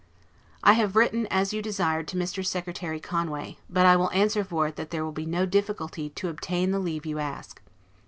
I have written, as you desired, to Mr. Secretary Conway; but I will answer for it that there will be no difficulty to obtain the leave you ask.